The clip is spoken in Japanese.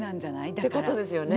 だから。ってことですよね。